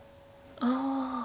ああ。